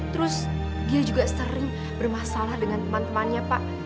dan dia juga sering bermasalah dengan teman temannya pak